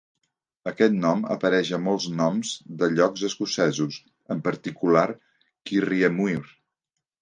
Aquest nom apareix a molts noms de llocs escocesos, en particular Kirriemuir.